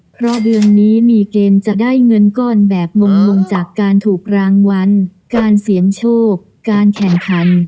เพราะเดือนนี้มีเกณฑ์จะได้เงินก้อนแบบมงคลจากการถูกรางวัลการเสี่ยงโชคการแข่งขัน